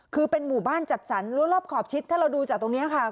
คือเป็นหมู่บ้านจัดสรรรั้วรอบขอบชิดถ้าเราดูจากตรงนี้ค่ะ